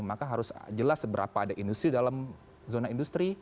maka harus jelas seberapa ada industri dalam zona industri